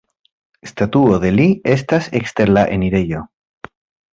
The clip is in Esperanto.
Statuo de li estas ekster la enirejo.